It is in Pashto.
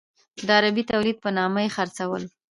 د عربي تولید په نامه یې خرڅول.